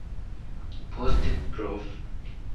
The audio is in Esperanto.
Poste prof.